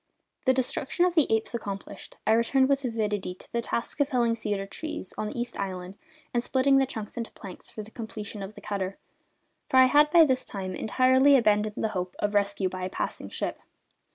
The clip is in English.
The destruction of the apes accomplished, I returned with avidity to the task of felling the cedar trees on East Island and splitting the trunks into planks for the completion of the cutter for I had by this time entirely abandoned the hope of rescue by a passing ship.